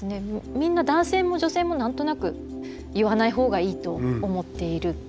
みんな男性も女性も何となく言わない方がいいと思っている。